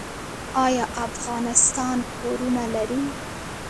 آیا افغانستان پورونه لري؟